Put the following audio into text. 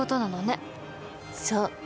そう。